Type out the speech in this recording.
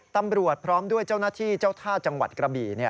ตำรวจพร้อมด้วยเจ้าหน้าที่เจ้าท่าจังหวัดกระบี่